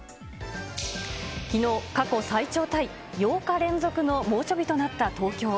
きのう、過去最長タイ、８日連続の猛暑日となった東京。